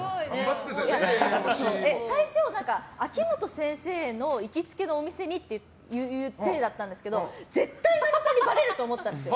最初、秋元先生の行きつけのお店っていうていだったんですけど絶対、野呂さんにばれると思ったんですよ。